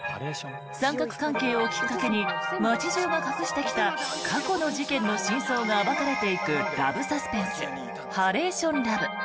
三角関係をきっかけに街中が隠してきた過去の事件の真相が暴かれていくラブサスペンス「ハレーションラブ」。